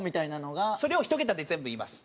それを１桁で全部言います。